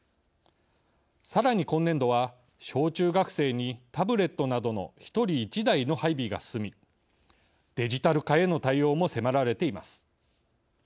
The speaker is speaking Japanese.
さらに、今年度は小中学生にタブレットなどの１人１台の配備が進みデジタル化への対応も迫られています。